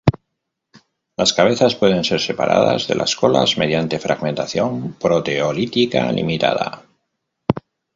Las cabezas pueden ser separadas de las colas mediante fragmentación proteolítica limitada.